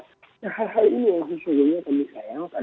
nah hal hal ini yang sesungguhnya kami sayangkan